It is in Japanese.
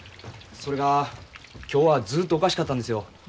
それが今日はずっとおかしかったんですよ。